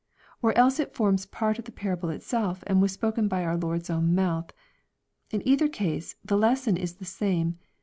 Or else it forms part of the parable itself and was spoken by our Lord's own mouth. In either case, the lesson is the same.